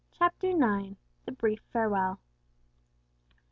CHAPTER IX. THE BRIEF FAREWELL.